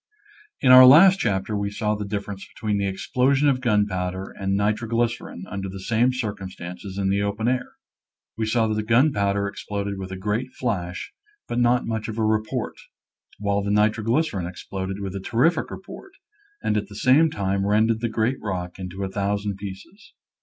In our last chapter we saw the difference between the explosion of gunpowder and nitro glycerin under the same circumstances in the open air. We saw that the gunpowder ex ploded with a great flash, but not much of a report, while the nitroglycerin exploded with a terrific report, and at the same time rended the great rock into a thousand pieces.